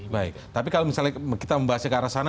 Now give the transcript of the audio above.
baik tapi kalau misalnya kita membahasnya ke arah sana